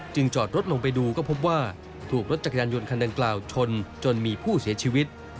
จอดรถลงไปดูก็พบว่าถูกรถจักรยานยนต์คันดังกล่าวชนจนมีผู้เสียชีวิต